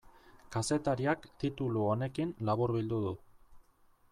Kazetariak titulu honekin laburbildu du.